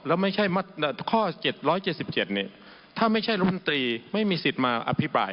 แล้วไม่ใช่ข้อ๗๗ถ้าไม่ใช่รัฐมนตรีไม่มีสิทธิ์มาอภิปราย